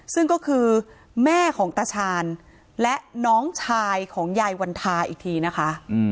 ซึ่งก็คือแม่ของตาชาญและน้องชายของยายวันทาอีกทีนะคะ